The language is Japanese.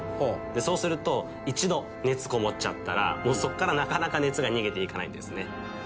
そうすると一度熱こもっちゃったらそこからなかなか熱が逃げていかないんですね。